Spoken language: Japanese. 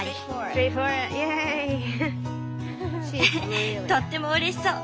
ウフとってもうれしそう。